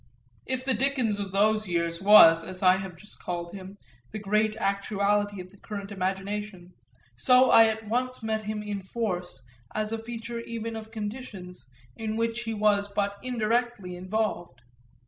If the Dickens of those years was, as I have just called him, the great actuality of the current imagination, so I at once meet him in force as a feature even of conditions in which he was but indirectly involved.